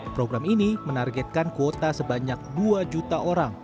program ini menargetkan kuota sebanyak dua juta orang